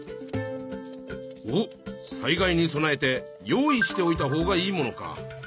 おっ災害に備えて用意しておいた方がいいものか！